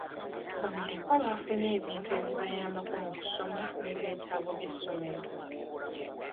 Bamulekwa baafunye ebintu ebibayambako mu kusoma n'ebyetaago by'essomero.